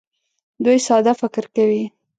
دوی ساده فکر کوي.